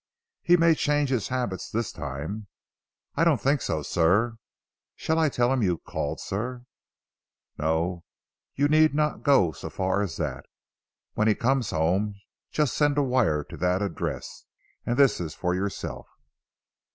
"He may change his habits this time." "I don't think so sir. Shall I tell him you called sir?" "No. You need not go so far as that. When he comes home just send a wire to that address. And this for yourself."